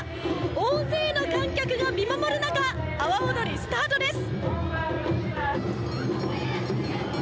大勢の観客が見守る中阿波おどりスタートです。